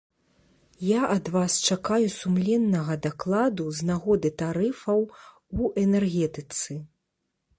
Я ад вас чакаю сумленнага дакладу з нагоды тарыфаў у энергетыцы.